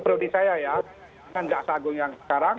prodi saya ya dengan jaksa agung yang sekarang